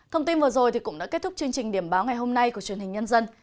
thông tin vừa rồi cũng đã kết thúc chương trình điểm báo ngày hôm nay của truyền hình nhân dân